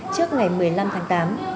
trước ngày một mươi năm tháng tám